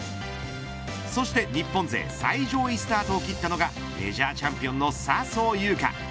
そして、日本勢最上位スタートを切ったのがメジャーチャンピオンの笹生優花。